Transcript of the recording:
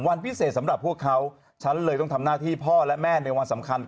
วันพิเศษสำหรับพวกเขาฉันเลยต้องทำหน้าที่พ่อและแม่ในวันสำคัญ